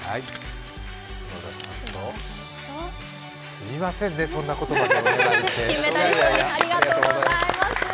すみませんね、そんなことまでお願いして。